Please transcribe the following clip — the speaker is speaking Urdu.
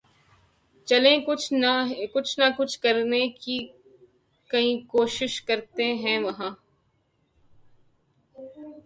چلیں کچھ نہ کچھ کرنیں کی کیںشش کرتیں ہیں وہاں